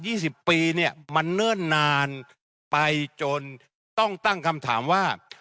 สิบปีเนี่ยมันเนิ่นนานไปจนต้องตั้งคำถามว่า